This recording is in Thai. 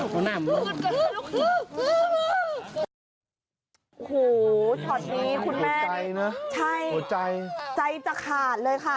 โอ้โหช็อตนี้คุณแม่ใจนะใช่หัวใจใจจะขาดเลยค่ะ